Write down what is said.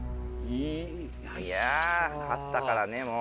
いや勝ったからねもう。